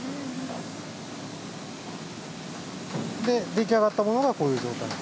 出来上がったものがこういう状態。